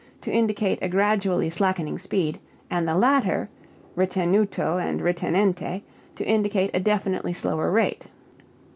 _) to indicate a gradually slackening speed, and the latter (ritenuto and ritenente) to indicate a definitely slower rate.